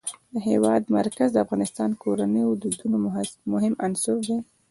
د هېواد مرکز د افغان کورنیو د دودونو مهم عنصر دی.